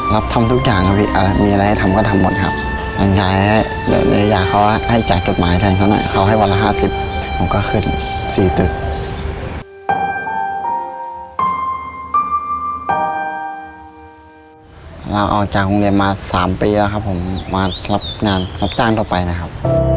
ออกจากโรงเรียนมา๓ปีแล้วครับผมมารับงานรับจ้างต่อไปนะครับ